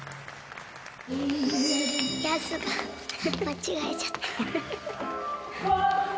間違えちゃった。